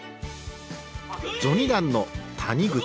序二段の谷口。